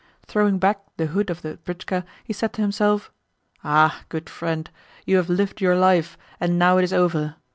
Throwing back the hood of the britchka, he said to himself: "Ah, good friend, you have lived your life, and now it is over!